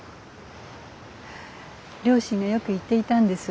両親がよく言っていたんです。